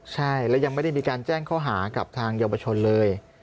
ใช่แล้วยังไม่ได้มีการแจ้งข้อหากับทางเยาวชนเลย